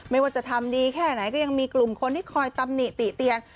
ไม่ว่าจะทำดีแค่ไหนก็ยังมีกลุ่มคนที่คอยตำหนิติเตียน